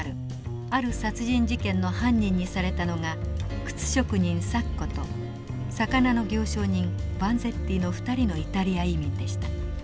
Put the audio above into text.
ある殺人事件の犯人にされたのが靴職人サッコと魚の行商人バンゼッティの２人のイタリア移民でした。